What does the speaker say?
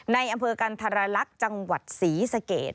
ในอำเภอกันธรรลักษณ์จังหวัดศรีสเกต